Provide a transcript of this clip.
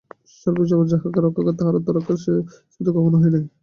সর্ব বিষয়ে অপরে যাহাকে রক্ষা করে, তাহার আত্মরক্ষা শক্তির স্ফূর্তি কখনও হয় না।